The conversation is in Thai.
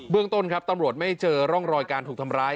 ต้นครับตำรวจไม่เจอร่องรอยการถูกทำร้าย